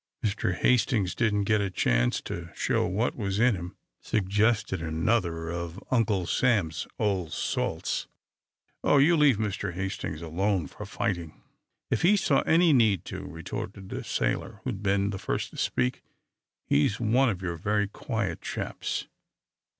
"Mr. Hastings didn't get a chance to show what was in him," suggested another of Uncle Sam's old salts. "Oh, you leave Mr. Hastings alone for fighting, if he saw any need to," retorted the sailor who had been the first to speak. "He's one of your very quiet chaps.